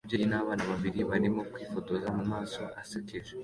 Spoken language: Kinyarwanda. Umubyeyi nabana babiri barimo kwifotoza mumaso asekeje